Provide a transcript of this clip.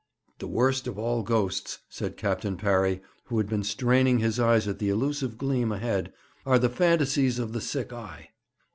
'The worst of all ghosts,' said Captain Parry, who had been straining his eyes at the elusive gleam ahead, 'are the phantasies of the sick eye.'